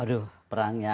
aduh perang yang